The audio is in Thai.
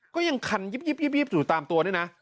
ก็ยังคันยิบอยู่ตามตัวด้วยนะ